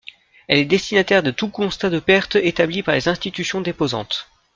Elle est destinataire de tout constat de perte établi par les institutions déposantes.